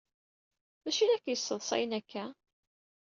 D acu ay la k-yesseḍsayen akka?